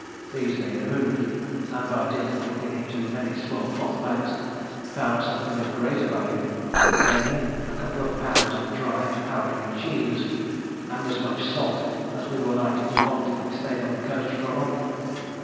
These they removed, and by dint of looking into many small cloth bags found something of greater value namely, a couple of pounds of dry powdery cheese, and as much salt as we were likely to want if we stayed on the coast for a month.